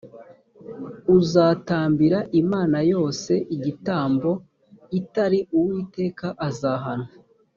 uzatambira imana yose igitambo itari uwiteka , azahanwa